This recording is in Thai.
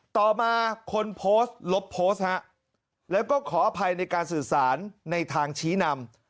ต่อมาคนโพสต์ลบโพสต์ฮะแล้วก็ขออภัยในการสื่อสารในทางชี้นำ